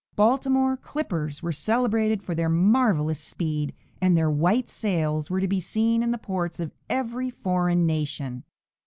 Baltimore "clippers" were celebrated for their marvelous speed, and their white sails were to be seen in the ports of every foreign nation.